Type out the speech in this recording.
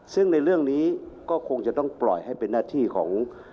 ซึ่งในเรื่องนี้ก็คงจะต้องปล่อยให้เป็นหน้าที่ของ